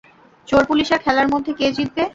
চোর-পুলিশের খেলার মধ্যে কে জিতবে?